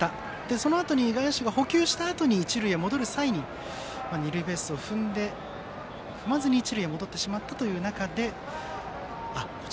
そのあと外野手が捕球したあとに一塁へ戻る際に、二塁ベースを踏まずに一塁へ戻ってしまった中で。